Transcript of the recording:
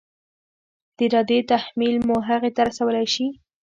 د ارادې تحمیل مو هغې ته رسولی شي؟